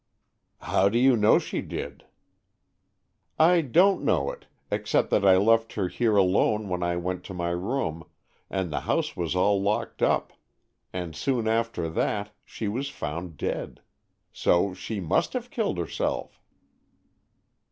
"How do you know she did?" "I don't know it, except that I left her here alone when I went to my room, and the house was all locked up, and soon after that she was found dead. So she must have killed herself."